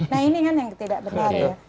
nah ini kan yang tidak benar ya